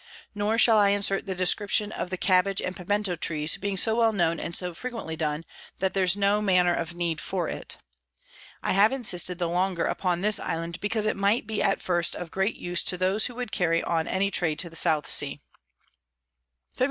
Nor shall I insert the Description of the Cabbage and Piemento Trees, being so well known and so frequently done, that there's no manner of need for it. I have insisted the longer upon this Island, because it might be at first of great use to those who would carry on any Trade to the South Sea. _Febr.